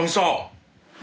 はい。